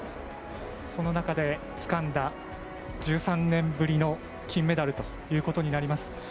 その中でつかんだ１３年ぶりの金メダルということになります。